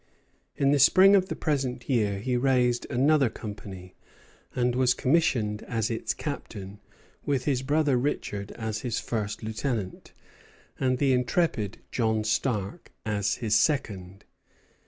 In the spring of the present year he raised another company, and was commissioned as its captain, with his brother Richard as his first lieutenant, and the intrepid John Stark as his second.